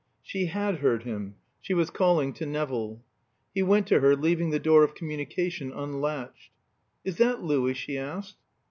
She had heard him; she was calling to Nevill. He went to her, leaving the door of communication unlatched. "Is that Louis?" she asked.